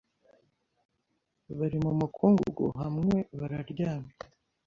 bari mu mukungugu hamwe bararyamye